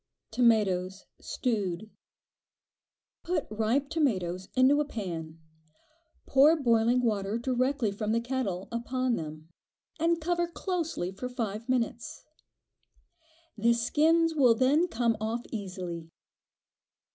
Tomatoes (stewed). Put ripe tomatoes into a pan, pour boiling water directly from the kettle, upon them, and cover closely for five minutes. The skins will then come off easily.